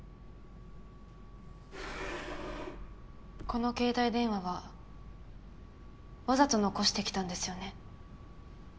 この携帯電話はわざと残してきたんですよね？